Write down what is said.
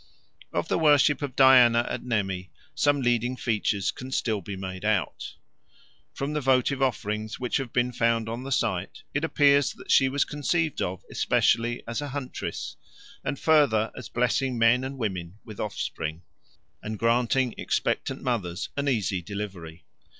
Of the worship of Diana at Nemi some leading features can still be made out. From the votive offerings which have been found on the site, it appears that she was conceived of especially as a huntress, and further as blessing men and women with offspring, and granting expectant mothers an easy delivery.